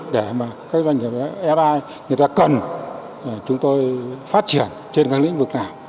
để các doanh nghiệp fdi cần chúng tôi phát triển trên các lĩnh vực nào